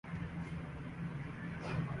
حکومتی ادارے ضروری قانون سازی کے بارے میں بے